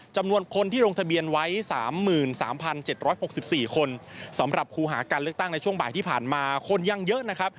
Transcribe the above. จำนวนคนที่ลงทะเบียนไว้สามหมื่นสามพันเจ็ดร้อยหกสิบสี่คนสำหรับครูหาการเลือกตั้งในช่วงบ่ายที่ผ่านมาคนยังเยอะนะครับ